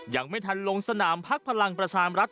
ยังไม่ทันลงสนามพักพลังประชามรัฐ